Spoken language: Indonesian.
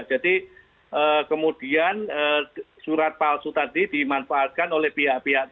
jadi kemudian surat palsu tadi dimanfaatkan oleh pihak pihak